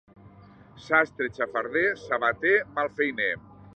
Sastre, xafarder; sabater, malfeiner.